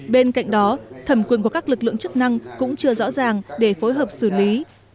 bên cạnh đó thẩm quyền của các lực lượng chức năng cũng chưa rõ ràng để phối hợp xử lý